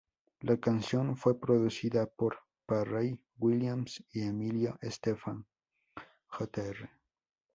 La canción fue producida por Pharrell Williams y Emilio Estefan Jr.